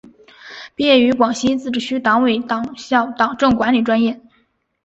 毕业于广西自治区党委党校党政管理专业。